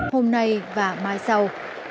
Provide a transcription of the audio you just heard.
hôm nay và mai sau